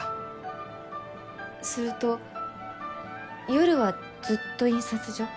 すると夜はずっと印刷所？